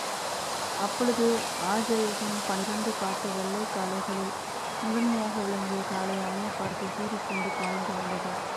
அப்பொழுது ஆஜயஸின் பன்னிரண்டு காட்டு வெள்ளைக் காளைகளில் முதன்மையாக விளங்கிய காளை அவனைப் பார்த்துச் சீறிக்கொண்டு பாய்ந்து வந்தது.